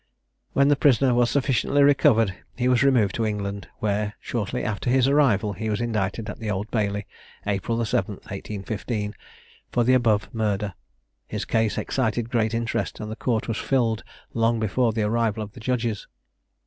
When the prisoner was sufficiently recovered, he was removed to England, where, shortly after his arrival, he was indicted at the Old Bailey, April the 7th, 1815, for the above murder. His case excited great interest, and the court was filled long before the arrival of the judges.